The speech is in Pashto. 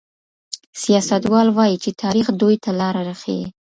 سياستوال وايي چي تاريخ دوی ته لاره ښيي.